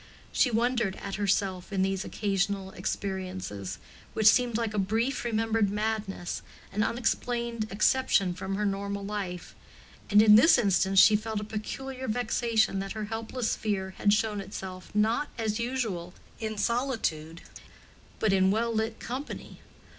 She wondered at herself in these occasional experiences, which seemed like a brief remembered madness, an unexplained exception from her normal life; and in this instance she felt a peculiar vexation that her helpless fear had shown itself, not, as usual, in solitude, but in well lit company.